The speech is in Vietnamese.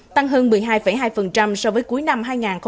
tăng hơn một mươi hai hai so với cuối năm hai nghìn hai mươi hai